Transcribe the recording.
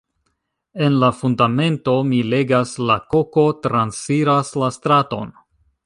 En la Fundamento mi legas "la koko transiras la straton".